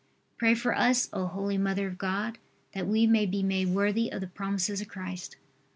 Pray for us, O holy Mother of God, that we may be worthy of the promises of Christ.